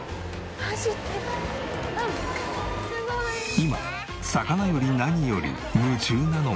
今魚より何より夢中なのは。